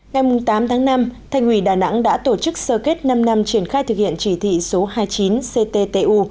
ngày tám tháng năm thành ủy đà nẵng đã tổ chức sơ kết năm năm triển khai thực hiện chỉ thị số hai mươi chín cttu